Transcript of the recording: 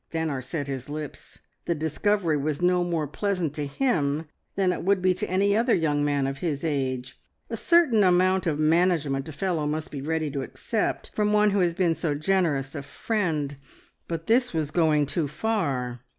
Stanor set his lips. The discovery was no more pleasant to him than it would be to any other young man of his age. A certain amount of "management" a fellow must be ready to accept from one who had been so generous a friend, but this was going too far.